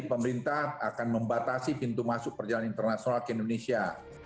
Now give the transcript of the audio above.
pemerintah akan membatasi pintu masuk perjalanan internasional ke indonesia